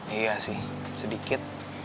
iya sih sedikit